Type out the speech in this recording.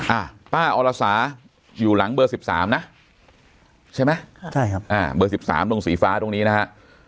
อ่าป้าอรสาอยู่หลังเบอร์สิบสามนะใช่ไหมใช่ครับอ่าเบอร์๑๓ตรงสีฟ้าตรงนี้นะฮะ